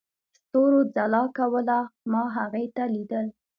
ستورو ځلا کوله، ما هغې ته ليدل.